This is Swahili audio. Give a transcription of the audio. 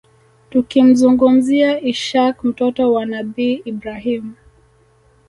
Tukimzungumzia ishaaq mtoto wa Nabii Ibraahiym